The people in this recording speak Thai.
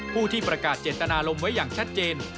ผู้ที่ประกาศเจตนารมณ์ไว้อย่างชัดเจน